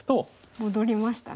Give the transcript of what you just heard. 戻りましたね。